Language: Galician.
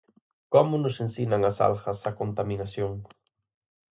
Como nos ensinan as algas a contaminación?